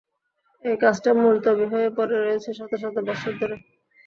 এই কাজটা মুলতবি হয়ে পড়ে রয়েছে শত শত বৎসর ধরে।